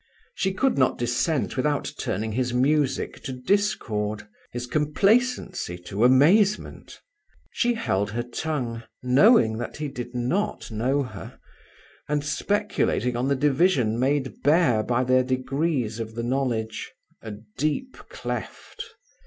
She could not dissent without turning his music to discord, his complacency to amazement. She held her tongue, knowing that he did not know her, and speculating on the division made bare by their degrees of the knowledge, a deep cleft.